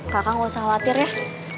kakak gak usah khawatir ya